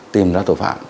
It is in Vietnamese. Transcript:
tìm ra tội phạm